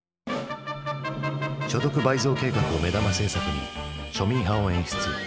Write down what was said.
所得倍増計画を目玉政策に庶民派を演出。